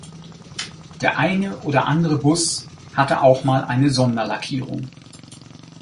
Der eine oder andere Bus hatte auch mal eine Sonderlackierung.